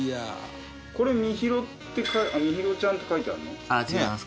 これ「みひろ」って「みひろちゃん」って書いてあるの？